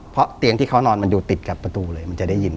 เพราะเตียงที่เขานอนมันอยู่ติดกับประตูเลยมันจะได้ยิน